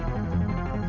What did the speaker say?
itu tipe game